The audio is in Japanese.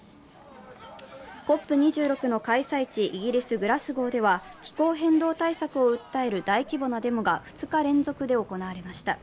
ＣＯＰ２６の開催地、イギリス・グラスゴーでは気候変動対策を訴える大規模なデモが２日連続で行われました。